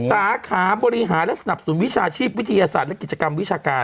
สาขาบริหารและสนับสนุนวิชาชีพวิทยาศาสตร์และกิจกรรมวิชาการ